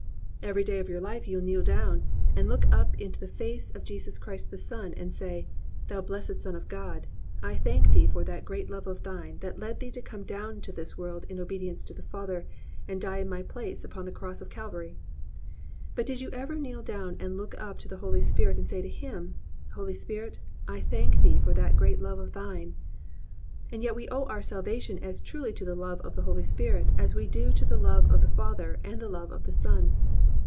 Every day of your life you kneel down and look up into the face of Jesus Christ the Son and say, "Thou blessed Son of God, I thank thee for that great love of thine that led thee to come down to this world in obedience to the Father and die in my place upon the cross of Calvary." But did you ever kneel down and look up to the Holy Spirit and say to him, "Holy Spirit, I thank thee for that great love of thine"? And yet we owe our salvation as truly to the love of the Holy Spirit as we do to the love of the Father and the love of the Son.